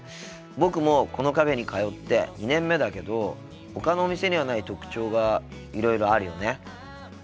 僕もこのカフェに通って２年目だけどほかのお店にはない特徴がいろいろあるよね。